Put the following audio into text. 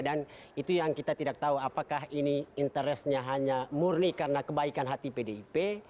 itu yang kita tidak tahu apakah ini interestnya hanya murni karena kebaikan hati pdip